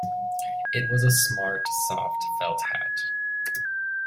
It was a smart soft felt hat.